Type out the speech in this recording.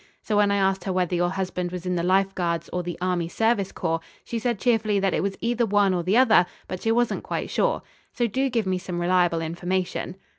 So when I asked her whether your husband was in the Life Guards or the Army Service Corps, she said cheerfully that it was either one or the other but she wasn't quite sure. So do give me some reliable information."